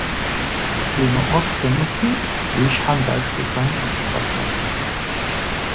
Уи мыӀуэху зумыхуи, уи щхьэм баш къихуэнкъым, тӀасэ.